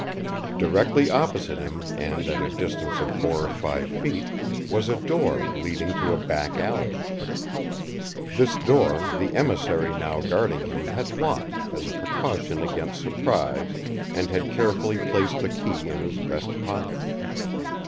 Directly opposite him and at a distance of four or five feet was a door leading to a back alley. This door the emissary now guarding him had locked as a precaution against surprise and had carefully placed the key in his vest pocket.